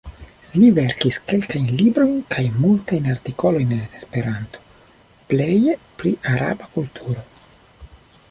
Li verkis kelkajn librojn kaj multajn artikolojn en Esperanto, pleje pri araba kulturo.